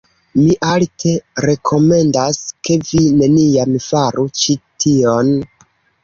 Mi alte rekomendas... ke vi neniam faru ĉi tion.